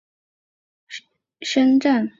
而他的姐夫是前无线电视新闻主播叶升瓒。